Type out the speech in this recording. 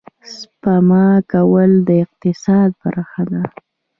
سپما کول د اقتصاد برخه ده